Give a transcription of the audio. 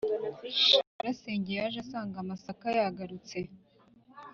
nyirasenge yaje agasanga amasaka yagarutse